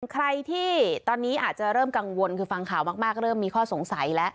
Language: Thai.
ใครที่ตอนนี้อาจจะเริ่มกังวลคือฟังข่าวมากเริ่มมีข้อสงสัยแล้ว